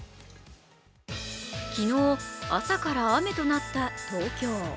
昨日、朝から雨となった東京。